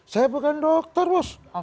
saya bukan dokter bos